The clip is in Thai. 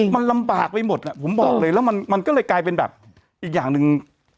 มันลำบากไปหมดผมบอกเลยแล้วมันก็เลยกลายเป็นแบบอีกอย่างหนึ่ง